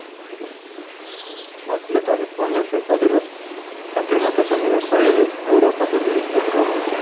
Atleta, representó a Suiza en los campeonatos universitarios de Europa celebrados en Roma.